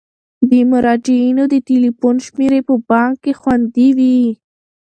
د مراجعینو د تلیفون شمیرې په بانک کې خوندي وي.